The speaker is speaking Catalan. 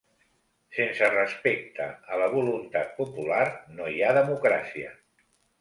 Sense respecte a la voluntat popular no hi ha democràcia.